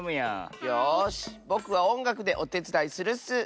よしぼくはおんがくでおてつだいするッス！